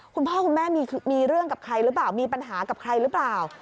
คุณพ่อคุณแม่มีเรื่องกับใครหรือเปล่ามีปัญหากับใครหรือเปล่า